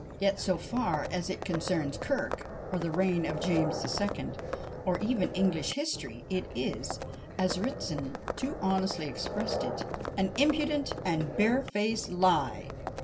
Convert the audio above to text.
Yet, so far as it concerns Kirk, or the reign of James the Second, or even English history, it is, as Ritson too honestly expresses it, "an impudent and a bare faced lie!"